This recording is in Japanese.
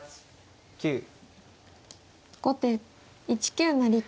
後手１九成桂。